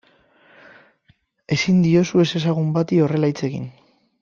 Ezin diozu ezezagun bati horrela hitz egin.